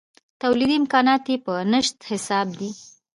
تولیدي امکانات یې په نشت حساب دي.